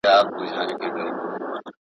بيله شکه مسلمانان او مسلماناني.